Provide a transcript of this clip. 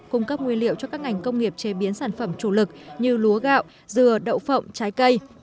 cung cấp nguyên liệu cho các ngành công nghiệp chế biến sản phẩm chủ lực như lúa gạo dừa đậu phộng trái cây